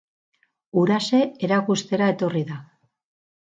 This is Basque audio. Huraxe erakustera etorri da.